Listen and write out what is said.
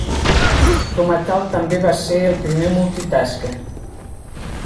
Com a tal també va esser el primer multi tasca.